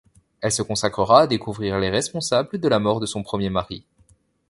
Elle se consacrera à découvrir les responsables de la mort de son premier mari.